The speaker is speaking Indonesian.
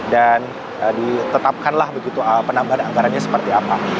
dan ditetapkanlah begitu penambahan anggarannya seperti apa